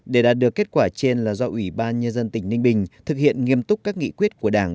để đạt được kết quả trên là do ủy ban nhân dân tỉnh ninh bình thực hiện nghiêm túc các nghị quyết của đảng